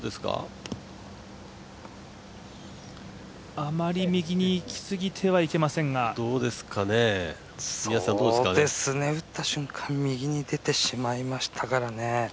あまり右に行きすぎてはいけませんが打った瞬間右に出てしまいましたからね。